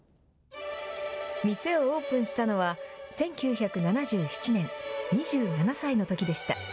店をオープンしたのは１９７７年２７歳のときでした。